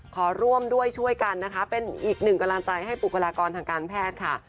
ขอร่วมด้วยช่วยกันนะคะเป็นอีกหนึ่งกำลังใจให้บุคลากรทางการแพทย์ค่ะ